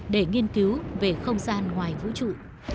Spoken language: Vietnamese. để nghiên cứu về không gian ngoài vũ trụ